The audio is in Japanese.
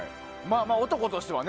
男としてはね。